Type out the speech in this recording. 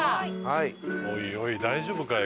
おいおい大丈夫かい？